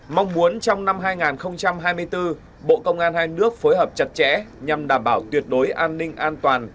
mong muốn trong năm hai nghìn hai mươi bốn bộ công an hai nước phối hợp chặt chẽ nhằm đảm bảo tuyệt đối an ninh an toàn